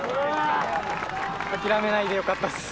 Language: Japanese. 諦めないでよかったです。